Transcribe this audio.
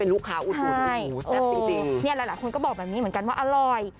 เนี่ยหลายคนก็บอกแบบนี้เหมือนกันว่าอร่อย